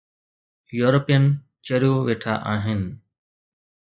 European چريو ويٺا آهن.